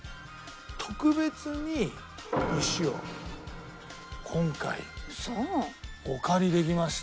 特別に石を今回お借りできまして。